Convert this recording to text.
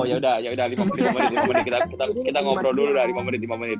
oh ya udah ya udah lima menit lima menit kita ngobrol dulu lah lima menit lima menit